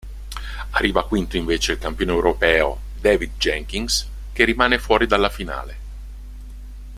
Arriva quinto invece il campione europeo, David Jenkins, che rimane fuori dalla finale.